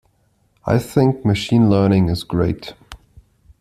I think Machine Learning is great.